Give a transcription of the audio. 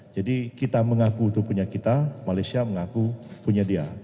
jadi kita mengaku itu punya kita malaysia mengaku punya dia